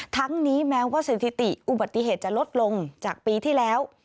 ทั้งนี้แม้ว่าสถิติอุบัติเหตุจะลดลงจากปีที่แล้ว